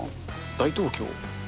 大東京。